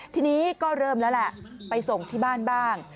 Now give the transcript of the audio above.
ทีนี้ก็เริ่มแล้วแหละไปส่งที่บ้านบ้าง